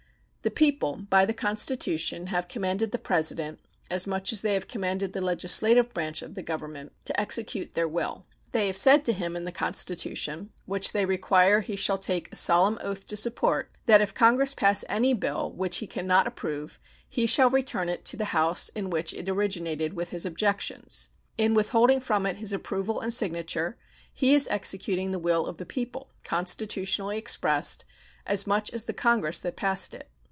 The people, by the Constitution, have commanded the President, as much as they have commanded the legislative branch of the Government, to execute their will. They have said to him in the Constitution, which they require he shall take a solemn oath to support, that if Congress pass any bill which he can not approve "he shall return it to the House in which it originated with his objections." In withholding from it his approval and signature he is executing the will of the people, constitutionally expressed, as much as the Congress that passed it.